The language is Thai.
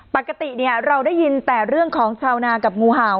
ปกติเราได้ยินแต่เรื่องของชาวนากับงูเห่า